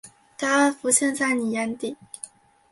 答案浮现在妳眼底